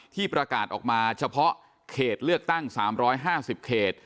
ที่ประกาศออกมาเฉพาะเขตเลือกตั้ง๓๕๐เขต